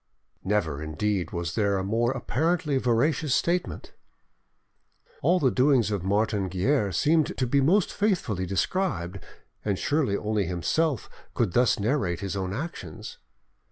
Never, indeed, was there a more apparently veracious statement! All the doings of Martin Guerre seemed to be most faithfully described, and surely only himself could thus narrate his own actions.